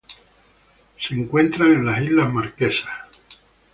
Se encuentran en las Islas Marquesas.